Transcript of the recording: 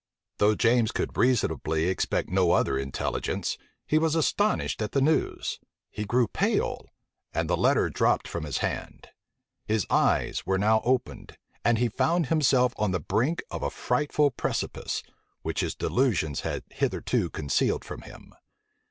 Though James could reasonably expect no other intelligence, he was astonished at the news: he grew pale, and the letter dropped from his hand: his eyes were now opened, and he found himself on the brink of a frightful precipice, which his delusions had hitherto concealed from him.